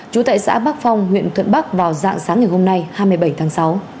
trú tại xã bắc phong huyện thuận bắc vào dạng sáng ngày hôm nay hai mươi bảy tháng sáu